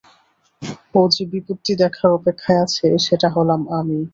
ও যে বিপত্তি দেখার অপেক্ষায় আছে সেটা হলাম আমি!